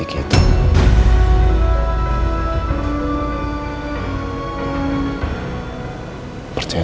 saya pasti akan menyelidiki itu